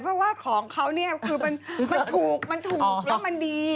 เพราะว่าของเขาเนี่ยคือมันถูกมันถูกแล้วมันดี